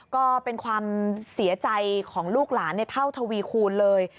ก็เป็นความเสียใจของลูกหลานเท่าทวีคูณเลย